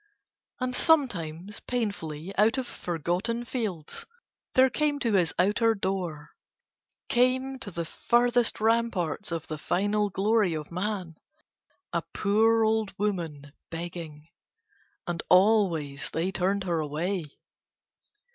And sometimes painfully out of forgotten fields, there came to his outer door, came to the furthest rampart of the final glory of Man, a poor old woman begging. And always they turned her away.